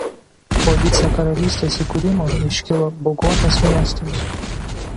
Po vicekaralystės įkūrimo iškilo Bogotos miestas.